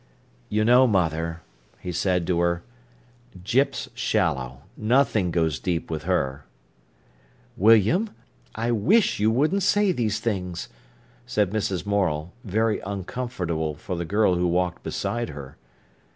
"You know, mother," he said to her, "Gyp's shallow. Nothing goes deep with her." "William, I wish you wouldn't say these things," said Mrs. Morel, very uncomfortable for the girl who walked beside her.